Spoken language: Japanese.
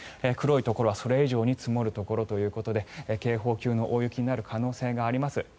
黒いところはそれ以上に積もるところということで警報級の大雪になる可能性があります。